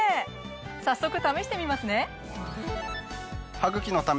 早速試してみますね。